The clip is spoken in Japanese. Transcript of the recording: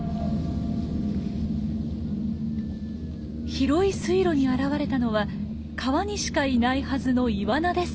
広い水路に現れたのは川にしかいないはずのイワナです。